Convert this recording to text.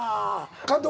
監督